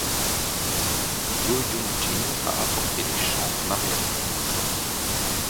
Yoo Young-jin a apporté les chants en arrière-fond.